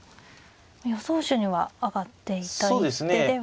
予想手には挙がっていた一手では。